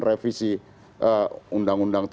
revisi undang undang tiga puluh dua